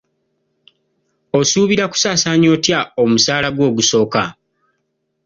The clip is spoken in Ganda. Osuubira kusaasaanya otya omusaala gwo ogusooka?